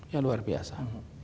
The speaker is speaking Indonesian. yang luar biasa